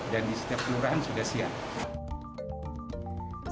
dan di setiap kelurahan sudah siap